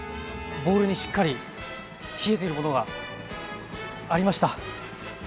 ボウルにしっかり冷えているものがありました。